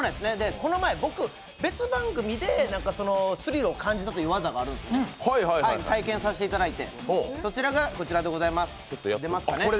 この前、僕、別番組でスリルを感じた技というのがあって体験させていただいて、そちらがこちらでございます！